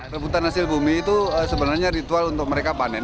rebutan hasil bumi itu sebenarnya ritual untuk mereka panen